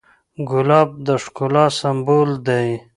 ګلاب د ښکلا سمبول دی.